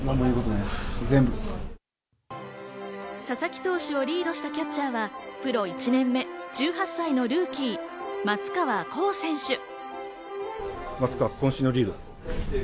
佐々木投手をリードしたキャッチャーはプロ１年目、１８歳のルーキー・松川虎生選手。